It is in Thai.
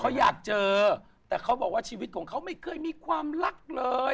เขาอยากเจอแต่เขาบอกว่าชีวิตของเขาไม่เคยมีความรักเลย